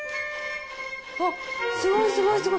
あっ、すごいすごいすごい。